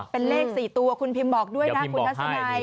เป็นเลข๔ตัวคุณพิมบอกด้วยนะคุณทัศนัย